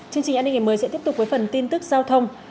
chương trình an ninh ngày mới sẽ tiếp tục với phần tin tức giao thông